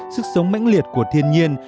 sức sống mẽnh liệt của thiên nhiên